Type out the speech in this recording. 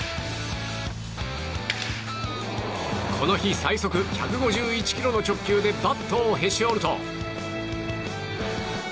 この日、最速１５１キロの直球でバットをへし折ると。